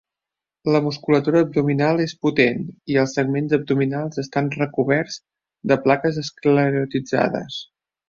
La musculatura abdominal és potent i els segments abdominals estan recoberts de plaques esclerotitzades.